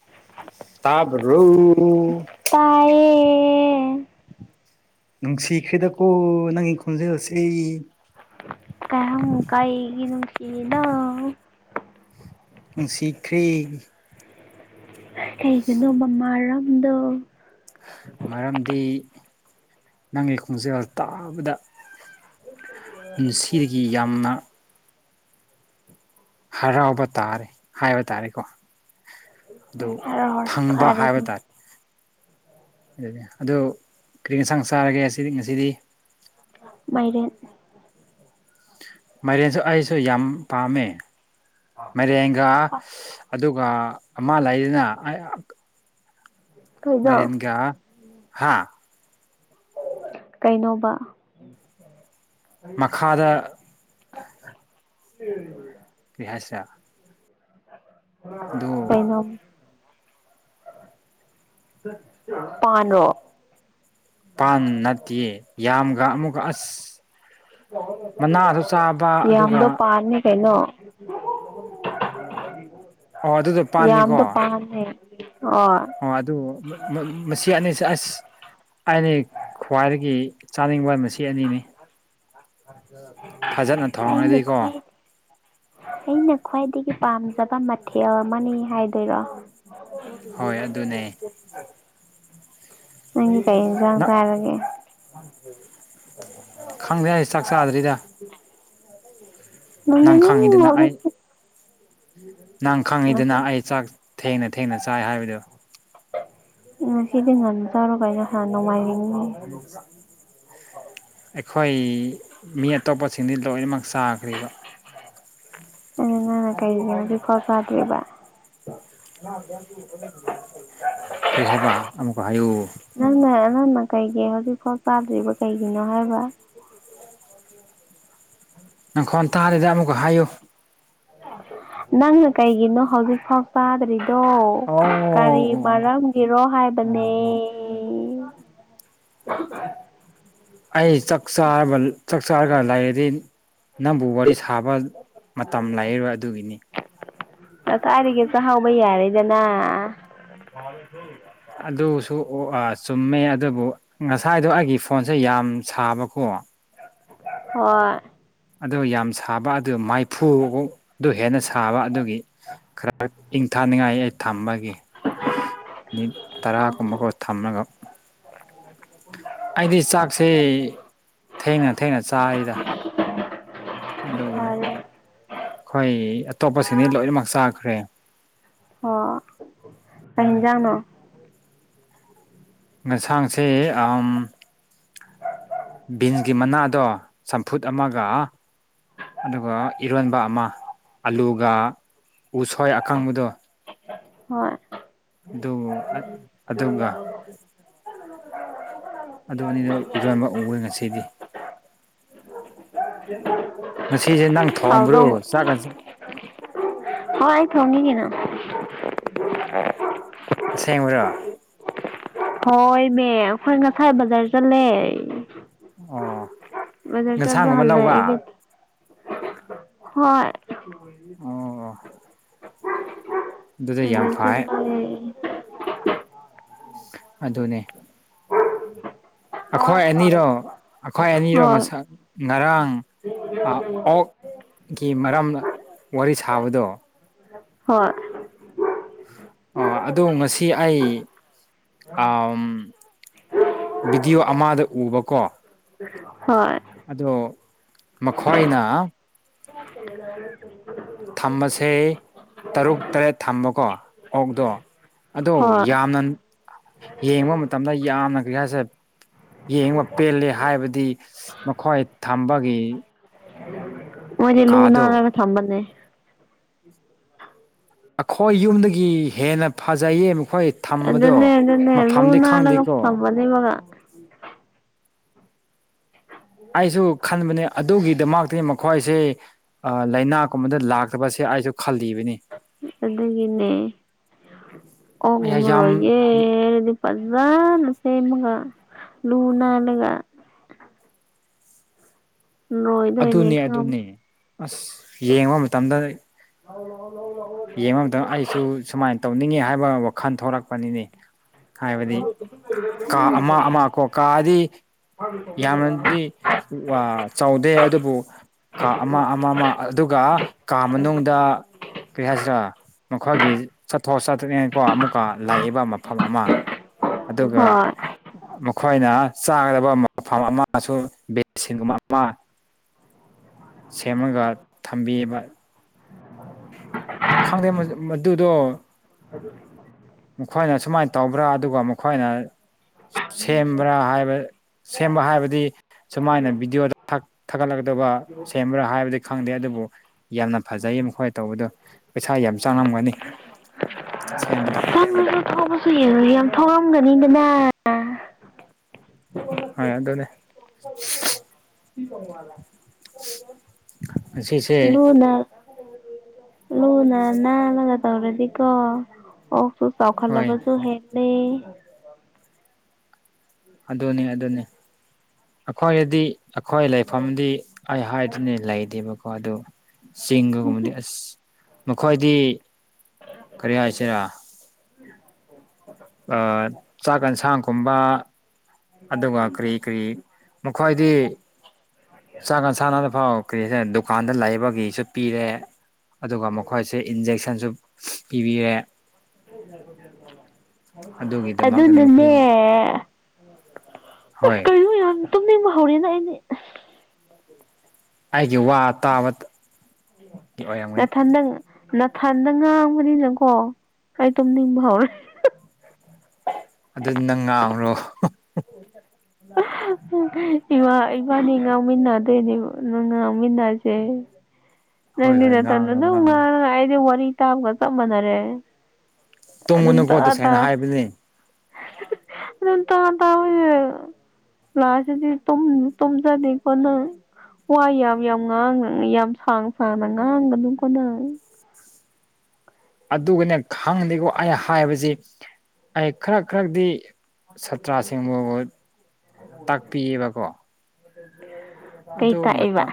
[inaudible] ꯇꯥꯕꯔꯣ ꯇꯥꯏꯌꯦ ꯅꯨꯡꯁꯤꯈ꯭ꯔꯦꯗꯀꯣ ꯅꯪꯒꯤ ꯈꯣꯟꯖꯦꯜꯁꯦ ꯀꯩꯍꯡ ꯀꯩꯒꯤ ꯅꯨꯡꯁꯤꯗ ꯅꯨꯡꯁꯤꯈ꯭ꯔꯦ ꯀꯩꯒꯤꯅꯣ ꯃꯥꯃꯔꯝꯗꯣ ꯃꯔꯝꯗꯤ ꯅꯪꯒꯤ ꯈꯣꯡꯖꯦꯜ ꯇꯥꯕꯗ ꯄꯨꯟꯁꯤꯗꯒꯤ ꯌꯥꯝꯅ ꯍꯔꯥꯎꯕ ꯇꯥꯔꯦ ꯍꯥꯏꯕ ꯇꯥꯔꯦꯀꯣ ꯑꯗꯨ ꯍꯥꯏꯔꯣ ꯍꯣꯔꯦꯟ ꯐꯪꯕ ꯍꯥꯏꯕ ꯇꯥꯔꯦ ꯐꯔꯦꯗꯅ ꯑꯗꯨꯒꯤ ꯑꯗꯨ ꯀꯔꯤ ꯏꯟꯁꯥꯡ ꯆꯥꯔꯒꯦ ꯑꯁꯤꯗꯤ ꯉꯁꯤꯗꯤ ꯃꯥꯏꯔꯦꯟ ꯃꯥꯏꯔꯦꯟꯁꯨ ꯑꯩꯁꯨ ꯌꯥꯝ ꯄꯥꯝꯃꯦ ꯃꯥꯏꯔꯦꯟꯒ ꯑꯗꯨꯒ ꯑꯃ ꯂꯩꯗꯅ ꯑꯩ ꯑꯥꯛ ꯀꯩꯅꯣ ꯃꯥꯏꯔꯦꯟꯒ ꯍꯥꯥ ꯀꯩꯅꯣꯕ ꯃꯈꯥꯗ [unintelligible] ꯀꯩꯍꯥꯏꯁꯤꯔ ꯀꯩꯅꯣ ꯄꯥꯟꯔꯣ ꯄꯥꯟ ꯅꯠꯇꯤꯌꯦ ꯌꯥꯝꯒ ꯑꯃꯨꯛꯀ ꯑꯁ ꯃꯅꯥꯁꯨ ꯆꯥꯕ ꯌꯥꯝꯗꯣ ꯑꯗꯨꯒ ꯄꯥꯟꯅꯤ ꯀꯩꯅꯣ ꯑꯣ ꯑꯗꯨꯗꯣ ꯌꯥꯝꯗꯣ ꯄꯥꯟꯅꯤꯀꯣ ꯄꯥꯟꯅꯦ ꯍꯣꯏ ꯑꯣ ꯑꯗꯨ ꯃꯠ ꯃꯁꯤ ꯑꯅꯤꯁꯦ ꯑꯁ ꯑꯩꯗꯤ ꯈ꯭ꯋꯥꯏꯗꯒꯤ ꯆꯥꯅꯤꯡꯕ ꯃꯁꯤ ꯑꯅꯤꯅꯤ ꯐꯖꯅ ꯑꯩꯅ ꯊꯣꯡꯉꯗꯤꯀꯣ ꯈꯨꯋꯥꯏ ꯑꯩꯅ ꯈ꯭ꯋꯥꯏꯗꯒꯤ ꯄꯥꯝꯖꯕ ꯃꯊꯦꯜ ꯑꯃꯅꯤ ꯍꯥꯏꯗꯣꯏꯔꯣ꯫ ꯍꯣꯏ ꯑꯗꯨꯅꯦ [unintelligible] ꯅꯪꯗꯤ ꯀꯩ ꯌꯦꯟꯁꯥꯡ ꯅꯪ ꯆꯥꯔꯒꯦ꯫ [unintelligible] ꯈꯪꯗꯦ ꯑꯩ ꯆꯥꯛ ꯆꯥꯗ꯭ꯔꯤꯗꯥ꯫ [unintelligible] ꯅꯪ ꯈꯪꯉꯤꯗꯨꯅ ꯑꯩ ꯅꯪ ꯉꯁꯤ ꯈꯪꯉꯤꯗꯨꯅ ꯑꯩ ꯆꯥꯛ ꯊꯦꯡꯅ ꯊꯦꯡꯅ ꯆꯥꯏ ꯍꯥꯏꯕꯗꯨ꯫ ꯉꯥꯁꯤꯗꯤ ꯉꯟꯅ ꯆꯥꯔꯣ ꯀꯩꯅꯣ ꯍꯥ ꯅꯣꯡꯃꯥꯏꯖꯤꯡꯅꯤ꯫ ꯎꯝ꯫ ꯑꯩꯈꯣꯏ ꯃꯤ ꯑꯇꯣꯞꯄꯁꯤꯡꯗꯤ ꯂꯣꯏꯅꯃꯛ ꯆꯥꯈ꯭ꯔꯦꯕꯥ꯫ ꯑꯗꯨ ꯅꯪꯅ ꯀꯩꯒꯤꯅꯣ ꯍꯧꯖꯤꯛꯐꯥꯎ ꯆꯥꯗꯔꯤꯕ꯫꯫ [unintelligible] ꯀꯔꯤ ꯍꯥꯏꯕ ꯑꯃꯨꯛꯀ ꯍꯥꯏꯌꯨ꯫ ꯅꯪꯅ ꯅꯪꯅ ꯀꯩꯒꯤ ꯍꯧꯖꯤꯛꯐꯥꯎ ꯆꯥꯗ꯭ꯔꯤꯕ ꯀꯩꯒꯤꯅꯣ ꯍꯥꯏꯕ꯫ ꯅꯈꯣꯟ ꯇꯥꯗꯦꯗꯥ ꯑꯃꯨꯛꯀ ꯍꯥꯏꯌꯨ꯫ ꯅꯪꯅ ꯀꯩꯒꯤꯅꯣ ꯍꯧꯖꯤꯛꯐꯥꯎ ꯆꯥꯗ꯭ꯔꯤꯗꯣ꯫ ꯑꯣ ꯀꯔꯤ ꯑꯣ ꯃꯔꯝꯒꯤꯔꯣ ꯍꯥꯏꯕꯅꯦ꯫ ꯑꯣ ꯅꯦ꯫ ꯑꯩ ꯆꯥꯛ ꯆꯥꯔꯕ ꯆꯥꯛ ꯆꯥꯔꯒ ꯂꯩꯔꯗꯤ ꯅꯪꯕꯨ ꯋꯥꯔꯤ ꯁꯥꯕ ꯃꯇꯝ ꯂꯩꯔꯔꯣꯏ ꯑꯗꯨꯒꯤꯅꯤ꯫ ꯉꯁꯥꯏꯗꯒꯤ ꯆꯥꯍꯧꯕ ꯌꯥꯔꯦꯗꯅꯥ꯫ [unintelligible] ꯑꯗꯨꯁꯨ ꯑꯣ ꯑꯥ ꯆꯨꯝꯃꯦ ꯑꯗꯨꯕꯨ ꯉꯁꯥꯏꯗꯣ ꯑꯩꯒꯤ ꯐꯣꯟꯁꯦ ꯌꯥꯝ ꯁꯥꯕꯀꯣ꯫ ꯍꯣꯏ꯫ ꯑꯗꯨ ꯌꯥꯝ ꯁꯥꯕ ꯑꯗꯨ ꯃꯥꯏꯐꯨ ꯑꯗꯨ ꯍꯦꯟꯅ ꯁꯥꯕ ꯑꯗꯨꯒꯤ꯫ ꯈꯔ ꯏꯪꯊꯥꯅꯤꯡꯉꯥꯏ ꯑꯩ ꯊꯝꯕꯒꯤ꯫ ꯃꯤꯅꯤꯠ ꯍꯣꯏ ꯇꯔꯥꯒꯨꯝꯕꯀꯣ ꯊꯝꯔꯒ꯫ ꯑꯩꯗꯤ ꯆꯥꯛꯁꯦ ꯊꯦꯡꯅ ꯊꯦꯡꯅ ꯆꯥꯏꯌꯤꯗ꯫ ꯑꯗꯨꯒꯤꯅꯤ ꯐꯔꯦ ꯑꯩꯈꯣꯏ ꯑꯇꯣꯞꯄꯁꯤꯡꯗꯤ ꯂꯣꯏꯅꯃꯛ ꯆꯥꯈ꯭ꯔꯦ꯫ ꯑꯣ ꯀꯩ ꯑꯗꯨꯅꯦ ꯏꯟꯖꯥꯡꯅꯣ꯫ ꯌꯦꯟꯁꯥꯡꯁꯦ ꯑ ꯎꯝ ꯕꯤꯟꯁꯒꯤ ꯃꯅꯥꯗꯣ ꯆꯝꯐꯨꯠ ꯑꯃꯒ ꯑꯗꯨꯒ ꯏꯔꯣꯟꯕ ꯑꯃ ꯑꯂꯨꯒ ꯎꯁꯣꯏ ꯑꯀꯪꯕꯗꯣ ꯍꯣꯏ ꯑꯗꯨ ꯑꯗꯨꯒ ꯑꯗꯨ ꯑꯅꯤꯗꯣ ꯏꯔꯣꯟꯕ ꯎꯔꯦ ꯉꯁꯤꯗꯤ ꯉꯁꯤꯁꯦ ꯅꯪ ꯊꯣꯡꯕ꯭ꯔꯣ ꯍꯥꯎꯗꯧ ꯆꯥꯛꯀ ꯆ ꯍꯣꯏ ꯑꯩ ꯊꯣꯡꯉꯤ ꯀꯩꯅꯣ ꯑꯁꯦꯡꯕꯔꯣ ꯍꯣꯏꯃꯦ ꯑꯩꯈꯣꯏ ꯉꯁꯥꯏ ꯕꯖꯥꯔ ꯆꯠꯂꯦ ꯑꯣ ꯕꯖꯥꯔ ꯆꯠꯂꯒ ꯌꯦꯟꯁꯥꯡ ꯑꯃ ꯂꯧꯕ ꯍꯜꯂꯛꯑꯦ ꯍꯣꯏ ꯑꯣ ꯑꯗꯨꯗꯤ ꯌꯥꯝ ꯐꯩ [unintelligible] ꯑꯗꯨꯅꯦ ꯑꯩꯈꯣꯏ ꯑꯅꯤꯔꯣ ꯑꯩꯈꯣꯏ ꯑꯅꯤꯔꯣ ꯍꯣꯏ ꯉꯁꯛ ꯉꯔꯥꯡ ꯑ ꯑꯣꯛ ꯒꯤ ꯃꯔꯝ ꯋꯥꯔꯤ ꯁꯥꯕꯗꯣ ꯍꯣꯏ ꯑꯣ ꯑꯗꯨ ꯉꯁꯤ ꯑꯩ ꯎꯝ ꯚꯤꯗꯤꯑꯣ ꯑꯃꯗ ꯎꯕꯀꯣ ꯍꯣꯏ ꯑꯗꯣ ꯃꯈꯣꯏꯅ [unintelligible] ꯊꯝꯃꯁꯦ ꯇꯔꯨꯛ ꯇꯔꯦꯠ ꯊꯝꯕꯀꯣ ꯑꯣꯛꯗꯣ ꯑꯗꯣ ꯍꯣꯏ ꯌꯥꯝꯅ ꯌꯦꯡꯕ ꯃꯇꯝꯗ ꯌꯥꯝꯅ ꯀꯔꯤꯍꯥꯏꯁꯤꯔꯥ ꯌꯦꯡꯕ ꯄꯦꯜꯂꯦ ꯍꯥꯏꯕꯗꯤ ꯃꯈꯣꯏ ꯊꯝꯕꯒꯤ ꯃꯣꯏꯗꯤ ꯂꯨ ꯀꯥꯗꯣ ꯅꯥꯟꯂꯒ ꯊꯝꯕꯅꯦ ꯑꯩꯈꯣꯏ ꯌꯨꯝꯗꯒꯤ ꯍꯦꯟꯅ ꯐꯖꯩꯌꯦ ꯃꯈꯣꯏ ꯊꯝꯕꯗꯣ ꯑꯗꯨꯅꯦ ꯑꯗꯨꯅꯦ ꯂꯨ ꯃꯐꯝꯗꯤ ꯅꯥꯜꯂꯒ ꯈꯪꯗꯦꯀꯣ ꯊꯃꯅꯦꯕꯒ ꯑꯩꯁꯨ ꯈꯟꯕꯅꯦ ꯑꯗꯨꯒꯤꯗꯃꯛꯇꯤ ꯃꯈꯣꯏꯁꯦ ꯂꯥꯏꯅꯥ ꯀꯨꯝꯕꯗ ꯂꯥꯛꯇꯕꯁꯦ ꯑꯩꯁꯨ ꯈꯜꯂꯤꯕꯅꯤ ꯑꯗꯨꯒꯤꯅꯦ ꯑꯣꯛꯅ ꯑꯩ ꯃꯔꯨ ꯌꯥꯝ ꯑꯣꯏꯌꯦ ꯐꯖꯥꯅ ꯁꯦꯃꯒ ꯂꯨ ꯅꯥꯜꯂꯒ ꯂꯣꯏꯗꯣꯏꯅꯦ ꯑꯗꯨꯅꯦ ꯑꯗꯨꯅꯦ ꯈꯪꯉꯕ ꯑꯁ ꯌꯦꯡꯕ ꯃꯇꯝꯗ ꯌꯦꯡꯕ ꯃꯇꯝꯗ [unintelligible] ꯑꯩꯁꯨ ꯁꯨꯃꯥꯏꯅ ꯇꯧꯅꯤꯡꯉꯤ ꯍꯥꯏꯕ ꯋꯥꯈꯜ ꯊꯣꯛꯂꯛꯄꯅꯤꯅꯦ ꯍꯥꯏꯕꯗꯤ ꯀꯥ ꯑꯃ ꯑꯃ ꯀꯣ ꯀꯥꯗꯤ ꯌꯥꯝꯅꯗꯤ ꯑꯥ ꯆꯥꯎꯗꯦ ꯑꯗꯨꯕꯨ ꯀꯥ ꯑꯃ ꯑꯃ ꯑꯃ ꯑꯗꯨꯒ ꯀꯥ ꯃꯅꯨꯡꯗ ꯀꯔꯤ ꯍꯥꯏꯁꯤꯔꯥ ꯃꯈꯣꯏꯒꯤ ꯆꯠꯊꯣꯛ ꯆꯠꯊꯅꯤꯡꯉꯥꯏ ꯀꯣ ꯑꯃꯨꯛꯀꯥ ꯂꯩꯏꯕ ꯃꯐꯝ ꯑꯃ ꯑꯗꯨꯒ ꯍꯣꯏ ꯃꯈꯣꯏꯅ ꯆꯥꯒꯗꯕ ꯃꯐꯝ ꯑꯃꯁꯨ ꯕꯦꯠꯁꯤꯡꯒꯨꯝꯕ ꯑꯃ ꯁꯦꯝꯃꯒ ꯊꯝꯕꯤꯌꯦꯕ [unintelligible] ꯈꯪꯗꯦ ꯃꯗꯨꯗꯣ [unintelligible] ꯃꯈꯣꯏꯅ ꯁꯨꯃꯥꯏꯅ ꯇꯧꯕ꯭ꯔꯥ ꯑꯗꯨꯒ ꯃꯈꯣꯏꯅ ꯁꯦꯝꯕ꯭ꯔꯥ ꯍꯥꯏꯕ ꯁꯦꯝꯕ ꯍꯥꯏꯕꯗꯤ ꯁꯨꯃꯥꯏꯅ ꯚꯤꯗꯤꯑꯣꯗ ꯊꯥꯒꯠꯂꯛꯀꯥꯗꯕ ꯁꯦꯝꯕ꯭ꯔꯥ ꯍꯥꯏꯕꯗꯤ ꯈꯪꯗꯦ ꯑꯗꯨꯕꯨ ꯌꯥꯝꯅ ꯐꯖꯩ ꯃꯈꯣꯏ ꯇꯧꯕꯗꯣ ꯄꯩꯁꯥ ꯌꯥꯝ ꯆꯥꯡꯉꯝꯒꯅꯤ ꯁꯦꯝꯕꯗ [unintelligible] ꯌꯥꯝ ꯊꯧꯔꯝꯒꯅꯤꯗꯅ ꯍꯣꯏ ꯑꯗꯨꯅꯦ [unintelligible] [unintelligible] ꯉꯁꯤꯁꯦ ꯂꯨꯅꯥ ꯅꯥꯜꯂꯒ ꯇꯧꯔꯗꯤꯀꯣ ꯑꯣꯛꯁꯨ ꯍꯣꯏ ꯆꯥꯎꯈꯠꯂꯕꯁꯨ ꯍꯦꯂ ꯂꯩ ꯑꯗꯨꯅꯤ ꯑꯗꯨꯅꯤ ꯑꯩꯈꯣꯏꯗꯗꯤ ꯑꯩꯈꯣꯏ ꯂꯩꯐꯝꯗꯤ ꯑꯩ ꯍꯥꯏꯗꯅꯦ ꯂꯩꯗꯦꯕꯀꯣ ꯑꯗꯨ ꯆꯤꯡꯒꯒꯨꯝꯕꯗꯤ ꯑꯁ ꯃꯈꯣꯏꯗꯤ ꯀꯔꯤ ꯍꯥꯏꯁꯤꯔꯥ ꯑꯥ ꯆꯥꯛ ꯌꯦꯟꯁꯥꯡꯒꯨꯝꯕ ꯑꯗꯨꯒ ꯀꯔꯤ ꯀꯔꯤ ꯃꯈꯣꯏꯗꯤ ꯆꯥꯀꯥꯟ ꯁꯥꯟꯅꯕꯅ ꯐꯥꯎ ꯀꯔꯤ ꯗꯨꯀꯥꯟꯗ ꯂꯩꯕꯒꯤꯁꯨ ꯄꯤꯔꯦ ꯑꯗꯨꯒ ꯃꯈꯣꯏꯁꯦ ꯏꯟꯖꯦꯛꯁꯟꯁꯨ ꯄꯤꯕꯤꯔꯦ [unintelligible] ꯑꯗꯨꯒꯤꯗꯃꯛꯇꯅꯤ ꯃꯈꯣꯏ ꯑꯗꯨꯅꯅꯦ [unintelligible] ꯑꯁ ꯍꯣꯏ ꯀꯩꯅꯣ ꯌꯥꯝ ꯇꯨꯝꯅꯤꯡꯕ ꯍꯧꯔꯦꯅ ꯑꯩꯗꯤ ꯑꯩꯒꯤ ꯋꯥ ꯇꯥꯕꯇ ꯅꯊꯟꯗꯪ ꯅꯊꯟꯗ ꯉꯥꯝꯕꯅꯤꯅꯀꯣ ꯑꯩ ꯇꯨꯝꯅꯤꯡꯕ ꯍꯧꯔꯦ ꯑꯗꯨ ꯅꯪ ꯉꯥꯡꯔꯣ [unintelligible] [unintelligible] [unintelligible] ꯏꯃꯥ ꯏꯕꯥꯅꯤ ꯉꯥꯡꯃꯤꯟꯅꯗꯣꯏꯅꯦ ꯉꯥꯡꯃꯤꯟꯅꯁꯦ [unintelligible] ꯅꯪꯗꯤ ꯅꯊꯟꯗ ꯉꯥꯡꯔꯣ ꯑꯗꯨꯝ ꯉꯥꯡꯔꯣ ꯉꯥꯡꯂꯒ ꯑꯩꯗꯤ ꯋꯥꯔꯤ ꯇꯥꯕꯒ ꯆꯞ ꯃꯥꯟꯅꯔꯦ ꯑꯗꯨꯝ ꯇꯨꯝꯒꯉꯨꯅꯨꯀꯣ ꯇꯥ ꯇꯥ ꯇꯁꯦꯡꯅ ꯍꯥꯏꯕꯅꯦ [unintelligible] ꯂꯥꯁ ꯇꯗꯤ ꯇꯨꯝ ꯇꯨꯝꯖꯅꯤ ꯀꯣ ꯅꯪ ꯋꯥ ꯌꯥꯝ ꯌꯥꯝ ꯉꯥꯡ ꯌꯥꯝ ꯁꯥꯡ ꯁꯥꯡꯅ ꯉꯥꯡꯒꯅꯨꯀꯣ ꯅꯪ ꯑꯗꯨꯒꯅꯦ ꯈꯪꯗꯦꯀꯣ ꯑꯩ ꯍꯥꯏꯕꯖꯤ ꯑꯩ ꯈꯔꯛ ꯈꯔꯛꯗꯤ ꯁꯥꯇ꯭ꯔꯥꯁꯤꯡꯕꯕꯨ ꯇꯥꯛꯄꯤꯌꯦꯕꯀꯣ [unintelligible] ꯑꯗꯨ ꯇꯥꯛꯏꯕ ꯃꯇꯝ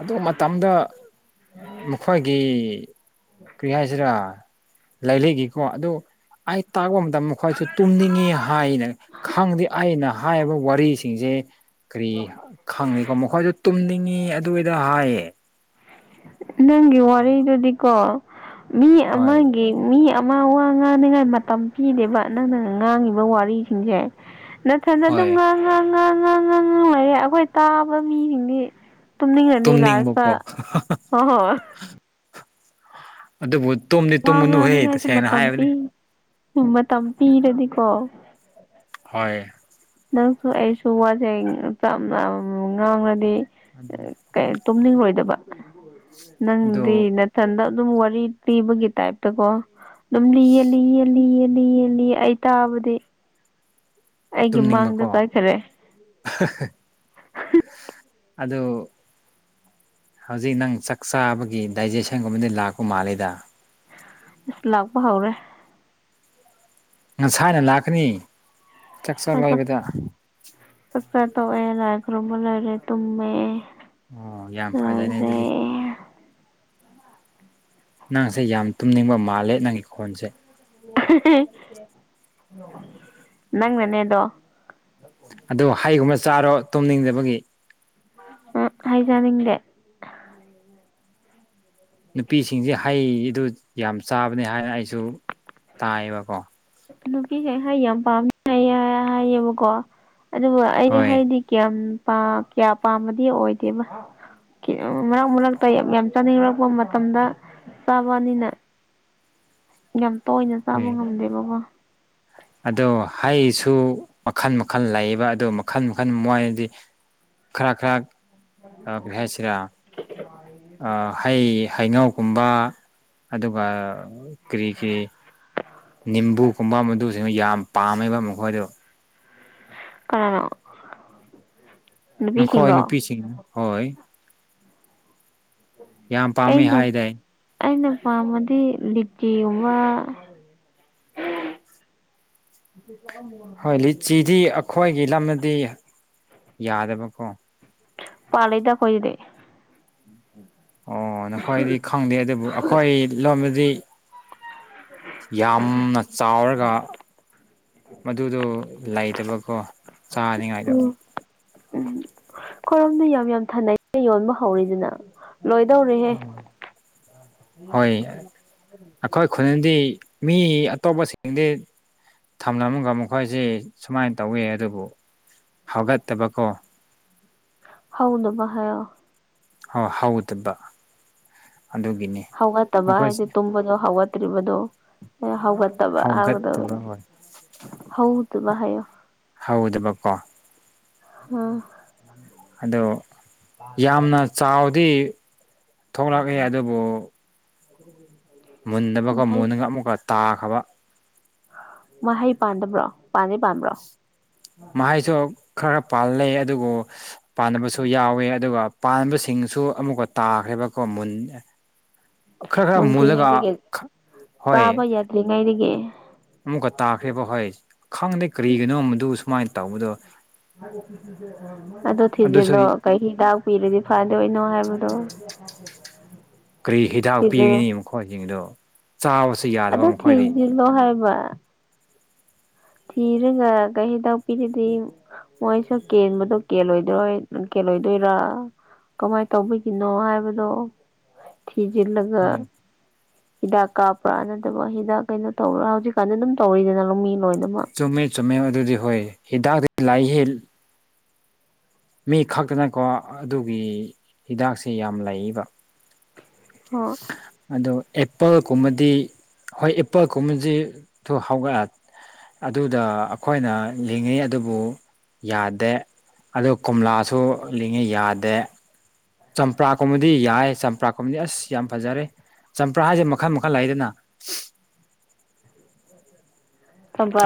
ꯑꯗꯨ ꯃꯇꯝꯗ ꯃꯈꯣꯏꯒꯤ ꯀꯔꯤ ꯍꯥꯏꯁꯤꯔꯥ ꯂꯥꯏꯔꯤꯒꯤꯀꯣ ꯑꯗꯨ ꯑꯩ ꯇꯥꯛꯕ ꯃ ꯇꯝ ꯈꯣꯏꯁꯨ ꯇꯨꯝꯅꯤꯡꯉꯤ ꯍꯥꯏꯅ ꯈꯪꯗꯦ ꯑꯩꯅ ꯍꯥꯏꯕ ꯋꯥꯔꯤꯁꯤꯡꯁꯦ ꯀꯔꯤ ꯈꯪꯗꯤꯀꯣ ꯃꯈꯣꯏꯗꯨ ꯇꯨꯝꯅꯤꯡꯉꯤ ꯑꯗꯨꯏꯗ ꯍꯥꯏꯌꯦ ꯅꯪꯒꯤ ꯋꯥꯔꯤꯗꯨꯗꯤꯀꯣ ꯃꯤ ꯍꯣꯏ ꯑꯃꯒꯤ ꯃꯤ ꯑꯃ ꯋꯥ ꯉꯥꯡꯅꯤꯉꯥꯏ ꯃꯇꯝ ꯄꯤꯗꯦꯕ ꯅꯪꯅ ꯉꯥꯡꯉꯤꯕ ꯋꯥꯔꯤꯁꯤꯡꯁꯦ ꯅꯠꯊꯟꯅ ꯑꯗꯨꯝ ꯍꯣꯏ ꯉꯥꯡ ꯉꯥꯡ ꯉꯥꯡ ꯉꯥꯡ ꯉꯥꯡ ꯉꯥꯡ ꯂꯩꯌꯦ ꯑꯩꯈꯣꯏ ꯇꯥꯕ ꯃꯤꯁꯤꯡꯗꯤ ꯇꯨꯝꯅꯤꯡꯉꯅꯤ ꯂꯥꯁꯇꯥ ꯇꯨꯝꯅꯤꯡꯕꯀꯣ ꯑꯗꯨꯕꯨ ꯇꯨꯝꯗꯤ ꯋꯥ ꯇꯨꯝꯒꯅꯨꯍꯦ ꯇꯁꯦꯡꯅ ꯍꯥꯏꯕꯅꯤ [unintelligible] ꯃꯇꯝꯄꯤꯔꯗꯤꯀꯣ ꯍꯣꯏ ꯅꯪꯁꯨ ꯑꯩꯁꯨ ꯋꯥꯁꯦ [unintelligible] ꯉꯥꯡꯂꯗꯤ ꯑꯗꯨꯅꯤ ꯇꯨꯝꯅꯤꯡꯔꯣꯏꯗꯕ ꯑꯗꯨ ꯅꯪꯗꯤ ꯅꯥꯊꯟꯗ ꯑꯗꯨꯝ ꯋꯥꯔꯤ ꯄꯤꯕꯒꯤ ꯇꯥꯏꯞꯇꯀꯣ ꯑꯗꯨꯝ ꯂꯤꯌꯦ ꯂꯤꯌꯦ ꯂꯤꯌꯦ ꯂꯤꯌꯦ ꯂꯤꯌꯦ ꯂꯤꯌꯦ ꯑꯩ ꯇꯥꯕꯗꯤ ꯑꯩꯒꯤ ꯇꯨꯝꯅꯤꯡꯕꯀꯣ ꯃꯥꯡꯗ ꯆꯠꯈꯔꯦ ꯍꯍꯥ ꯑꯗꯨ ꯍꯧꯖꯤꯛ ꯅꯪ ꯆꯥꯛ ꯆꯥꯕꯒꯤ ꯗꯥꯏꯖꯦꯁꯟꯒꯨꯝꯕꯗꯤ ꯂꯥꯛꯄ ꯃꯥꯜꯂꯤꯗ ꯏꯁ ꯂꯥꯛꯄ ꯍꯧꯔꯦ ꯉꯁꯥꯏꯅ ꯂꯥꯛꯀꯅꯤ ꯆꯥꯛꯆꯥ ꯆꯥꯛ ꯂꯣꯏꯕꯗ ꯆꯥꯛꯆꯥ ꯇꯣꯛꯑꯦ ꯂꯥꯏ ꯈꯨꯔꯨꯝꯕ ꯂꯣꯢꯔꯦ ꯇꯨꯝꯃꯦ ꯑꯣ ꯌꯥꯝ ꯐꯖꯩꯅꯦ ꯂꯣꯏꯔꯦ ꯑꯗꯨꯗꯤ ꯅꯪꯁꯦ ꯌꯥꯝ ꯇꯨꯝꯅꯤꯡꯕ ꯃꯥꯜꯂꯦ ꯅꯪꯒꯤ ꯈꯣꯟꯁꯦ [unintelligible] ꯅꯪꯅꯅꯦꯗꯣ ꯑꯗꯨ ꯍꯩꯒꯨꯝꯕ ꯆꯥꯔꯣ ꯇꯨꯝꯅꯤꯡꯗꯕꯒꯤ [unintelligible] ꯍꯩ ꯆꯅꯤꯡꯗꯦ ꯅꯨꯄꯤꯁꯤꯡꯖꯦ ꯍꯩꯗꯨ ꯌꯥꯝ ꯆꯥꯕꯅꯦ ꯍꯥꯏ ꯑꯩꯁꯨ ꯇꯥꯏꯌꯦꯕꯀꯣ ꯅꯨꯄꯤꯁꯦ ꯍꯩꯌꯥꯝ ꯄꯥꯝꯃꯦ ꯍꯥꯏ ꯍꯥꯏꯌꯦꯕꯀꯣ ꯑꯗꯨꯕꯨ ꯑꯩꯗꯤ ꯍꯣꯏ ꯍꯩꯗꯤ ꯀꯌꯥꯝꯄ ꯀꯌꯥ ꯄꯥꯝꯕꯗꯤ ꯑꯣꯏꯗꯦꯕ ꯀꯤꯅꯣꯝ ꯃꯔꯛ ꯃꯔꯛꯇ ꯌꯥꯝ ꯌꯥꯝ ꯆꯥꯅꯤꯡꯔꯛꯄ ꯃꯇꯝꯗ ꯆꯥꯕꯅꯤꯅ ꯌꯥꯝ ꯇꯣꯏꯅ ꯆꯥꯕ ꯎꯝ ꯉꯝꯗꯦꯕꯀꯣ ꯑꯗꯣ ꯍꯩꯁꯨ ꯃꯈꯜ ꯃꯈꯜ ꯂꯩꯌꯦꯕ ꯑꯗꯨ ꯃꯈꯜ ꯃꯈꯜ ꯃꯣꯏꯗꯤ ꯈꯔꯛ ꯈꯔꯛ ꯑ ꯀꯩ ꯍꯥꯢꯁꯤꯔ [unintelligible] ꯑ ꯍꯩ ꯍꯩꯅꯧꯒꯨꯝꯕ ꯑꯗꯨꯒ ꯀ꯭ꯔꯤ ꯀ꯭ꯔꯤ ꯅꯤꯝꯕꯨꯒꯨꯝꯕ ꯃꯗꯨꯁꯤꯡꯗꯨ ꯌꯥꯝ ꯄꯥꯝꯃꯦꯕ ꯃꯈꯣꯏꯗꯣ ꯀꯅꯅꯣ ꯅꯪꯈꯣꯏ ꯅꯨꯄꯤꯁꯤꯡ ꯍꯣꯏ ꯌꯥꯝ ꯄꯥꯝꯃꯤ ꯑꯩꯅ ꯍꯥꯏꯗꯥꯏ ꯑꯩꯅ ꯄꯥꯝꯕꯗꯤ ꯂꯤꯆꯤꯒꯨꯝꯕ ꯑꯗꯨ ꯁ ꯃ ꯍꯣꯏ ꯂꯤꯆꯤꯗꯤ ꯑꯩꯈꯣꯏꯒꯤ ꯂꯝꯗꯗꯤ ꯌꯥꯗꯕꯀꯣ ꯄꯂꯩꯗ ꯑꯈꯣꯏꯗꯤ ꯑꯣ ꯅꯈꯣꯏꯗꯤ ꯈꯪꯗꯦ ꯑꯗꯨꯕꯨ ꯑꯩꯈꯣꯏ ꯂꯣꯝꯗꯗꯤ ꯌꯥꯝꯅ ꯆꯥꯎꯔꯒ ꯃꯗꯨꯗꯣ ꯂꯩꯇꯕꯀꯣ ꯆꯥꯅꯤꯉꯥꯏꯗꯣ ꯎꯝ ꯎꯝ ꯈꯔꯣꯝꯗꯨ ꯌꯥꯝ ꯌꯥꯝ ꯊꯥꯅꯩ ꯌꯣꯟꯕ ꯍꯧꯔꯦꯗꯅ ꯂꯣꯏꯗꯧꯔꯦ ꯎꯝ [inaudible] ꯑꯩꯈꯣꯏ ꯈꯨꯟꯗꯤ ꯃꯤ ꯑꯇꯣꯞꯄꯁꯤꯡꯗꯤ ꯊꯝꯂꯝꯃꯒ ꯃꯈꯣꯏꯁꯤ ꯁꯨꯃꯥꯏꯅ ꯇꯧꯋ ꯑꯗꯨꯕꯨ ꯍꯧꯒꯠꯇꯕꯀꯣ ꯍꯧꯅꯕ ꯍꯥꯏꯌꯣ ꯍꯣ ꯍꯧꯗꯕ ꯑꯗꯨꯒꯤꯅꯤ ꯍꯧꯒꯠꯇꯕ ꯍꯥꯏꯗꯤ ꯃꯈꯣꯏꯁꯦ ꯇꯨꯝꯕꯗꯣ ꯍꯧꯒꯠꯇ꯭ꯔꯤꯕꯗꯨ ꯍꯧꯒ ꯒꯗꯕ ꯍꯧꯏꯕꯥꯗꯣ ꯍꯧꯒꯠꯇꯕ ꯍꯣꯏ ꯍꯧꯗꯣꯕ ꯍꯥꯏꯌꯣ ꯍꯧꯗꯕꯀꯣ ꯑꯣ ꯑꯗꯣ ꯌꯥꯝꯅ ꯆꯥꯎꯗꯤ ꯊꯣꯛꯂꯛꯑꯦ ꯑꯗꯨꯕꯨ [inaudible] ꯃꯨꯟꯗꯕꯒ ꯃꯍꯩ ꯃꯨꯟꯂꯒ ꯑꯃꯨꯛꯀ ꯇꯥꯈ꯭ꯔꯕ ꯃꯍꯩ ꯄꯥꯟꯗꯕ꯭ꯔꯣ ꯄꯥꯟꯗꯤ ꯄꯥꯟꯕ꯭ꯔꯣ ꯃꯍꯩꯁꯨ ꯈꯔ ꯄꯥꯟꯂ ꯑꯗꯨꯕꯨ ꯄꯥꯟꯗꯕꯁꯨ ꯌꯥꯎꯋꯦ ꯑꯗꯨꯒ ꯄꯥꯟꯕꯁꯤꯡꯁꯨ ꯑꯃꯨꯛꯀ ꯇꯥꯈ꯭ꯔꯦꯕꯀꯣ ꯃꯨꯟ ꯈꯔ ꯈꯔ ꯃꯨꯜꯂꯒ ꯈꯥ ꯍꯣꯏ ꯂꯩꯉꯥꯏꯗꯒꯤ ꯑꯃꯨꯛꯀ ꯇꯥꯈ꯭ꯔꯦꯕ ꯍꯣꯏ ꯈꯪꯗꯦ ꯀꯔꯤꯒꯤꯅꯣ ꯃꯗꯨ ꯁꯨꯃꯥꯏꯅ ꯇꯧꯕꯗꯣ ꯑꯗꯣ ꯊꯤꯖꯤꯜ ꯑꯗꯨꯁꯨ ꯂꯣ ꯀꯩ ꯍꯤꯗꯥꯛ ꯄꯤꯔꯗꯤ ꯐꯗꯣꯏꯅꯣ ꯍꯥꯏꯕꯗꯣ ꯀꯔꯤ ꯍꯤꯗꯥꯛ ꯊꯤꯖꯤꯜ ꯄꯤꯅꯤ ꯃꯈꯣꯏꯁꯤꯡꯗꯣ ꯆꯥꯕꯁꯨ ꯌꯥꯗꯕ ꯑꯗꯣ ꯃꯈꯣꯏꯗꯤ ꯊꯤꯖꯤꯜꯂꯣ ꯍꯥꯏꯕ ꯊꯤꯔꯒ ꯀꯩꯩ ꯍꯤꯗꯥꯛ ꯄꯤꯔꯗꯤ ꯃꯣꯏꯁꯨ ꯀꯦꯟꯕꯗꯣ ꯀꯦꯜꯂꯣꯏꯗꯣꯏ ꯀꯦꯜꯂꯣꯏꯗꯣꯏꯔ ꯀꯃꯥꯏꯅ ꯇꯧꯕꯒꯤꯅꯣ ꯍꯥꯏꯕꯗꯣ ꯊꯤꯖꯤꯜꯂꯒ ꯍꯣꯏ ꯍꯤꯗꯥꯛ ꯀꯥꯞꯄ꯭ꯔꯥ ꯅꯠꯇꯕ ꯍꯤꯗꯥꯛ ꯀꯩꯅꯣ ꯇꯧꯕ꯭ꯔꯥ ꯍꯧꯖꯤꯛ ꯀꯥꯟꯗꯤ ꯑꯗꯨꯝ ꯇꯧꯔꯤꯗꯅ ꯂꯧꯃꯤ ꯂꯣꯏꯅꯃꯛ ꯆꯨꯝꯃꯦ ꯆꯨꯝꯃꯦ ꯑꯗꯨꯗꯤ ꯍꯣꯏ ꯍꯤꯗꯥꯛꯇ ꯂꯥꯏ ꯍꯜ ꯃꯤ ꯈꯛꯇꯅꯀꯣ ꯑꯗꯨꯒꯤ ꯍꯤꯗꯥꯛꯁꯦ ꯌꯥꯝ ꯂꯩꯌꯦꯕ ꯑꯣ ꯑꯗꯣ ꯑꯦꯄꯜꯒꯨꯝꯕꯗꯤ ꯍꯣꯏ ꯑꯦꯄꯜꯒꯨꯝꯕꯁꯤ ꯊꯨ ꯍꯧꯒꯠ ꯑꯗꯨꯗ ꯑꯩꯈꯣꯏꯅ ꯂꯤꯡꯉꯤ ꯑꯗꯨꯕꯨ ꯌꯥꯗꯦ ꯑꯗꯨ ꯀꯣꯝꯂꯥꯁꯨ ꯂꯤꯡꯉꯤ ꯌꯥꯗꯦ ꯆꯝꯄ꯭ꯔꯥꯒꯨꯝꯕꯗꯤ ꯌꯥꯏ ꯆꯝꯄ꯭ꯔꯥꯒꯨꯝꯕꯗꯤ ꯑꯁ ꯌꯥꯝ ꯐꯖꯔꯦ ꯆꯝꯄ꯭ꯔꯥ ꯍꯥꯏꯁꯦ ꯃꯈꯜ ꯃꯈꯜ ꯂꯩꯗꯅ ꯊꯝꯄ